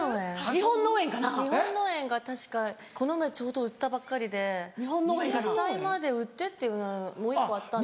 日本脳炎が確かこの前ちょうど打ったばっかりで１０歳まで打ってっていうのもう１個あった。